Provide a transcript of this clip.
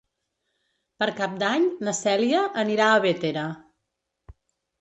Per Cap d'Any na Cèlia anirà a Bétera.